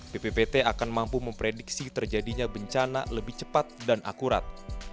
bppt akan mampu memprediksi terjadinya bencana lebih cepat dan akurat